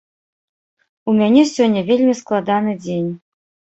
У мяне сёння вельмі складаны дзень.